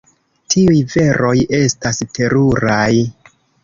Tiuj veroj estas teruraj!